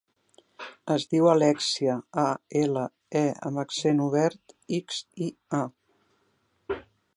Es diu Alèxia: a, ela, e amb accent obert, ics, i, a.